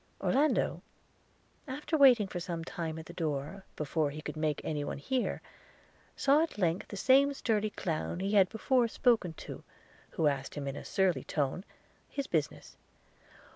Orlando, after waiting for some time at the door, before he could make any one hear, saw at length the same sturdy clown he had before spoken to, who asked him in a surly tone his business.